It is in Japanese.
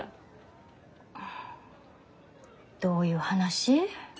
どういう話？